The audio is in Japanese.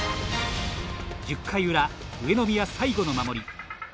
１０回裏上宮最後の守り。